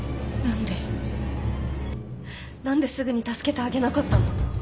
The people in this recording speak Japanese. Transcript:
何ですぐに助けてあげなかったの？